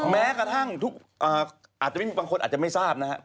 แม้กระทั่งอาจจะไม่มีบางคนอาจจะไม่ทราบนะครับ